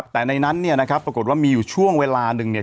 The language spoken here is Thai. แต่ในนั้นเนี่ยนะครับปรากฏว่ามีอยู่ช่วงเวลาหนึ่งเนี่ย